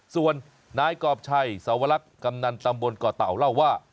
ส่วนนายกรอบชัยสวรรคกำนันตำบลก่อเต่าเล่าว่า